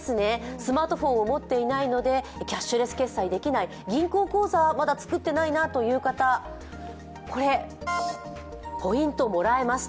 スマートフォンを持っていないのでキャッシュレス決済できない、銀行口座はまだ作ってないなという方、これ、ポイントもらえます。